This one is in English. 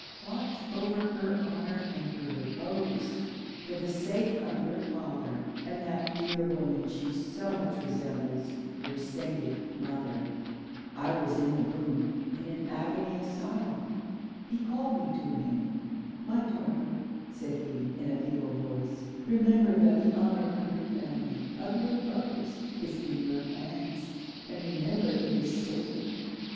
Watch over her honour and her repose, for the sake of your father and that dear woman she so much resembles, your sainted mother." 'I was in the room, in an agony of sorrow. He called me to him. "My daughter," said he, in a feeble voice, "remember that the honour of your family of your brothers is in your hands and remember it is sacred.